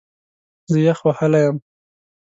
زه یخ وهلی یم